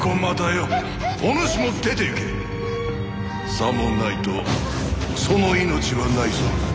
さもないとその命はないぞ。